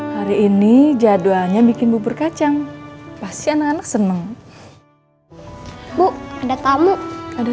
hari ini jadwalnya bikin bubur kacang pasti anak anak seneng bu ada kalu ada